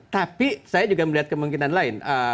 tapi saya juga melihat kemungkinan lain